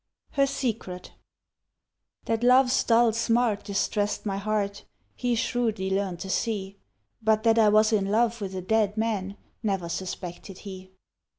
HER SECRET THAT love's dull smart distressed my heart He shrewdly learnt to see, But that I was in love with a dead man Never suspected he.